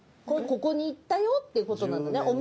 これここに行ったよっていう事なんだね。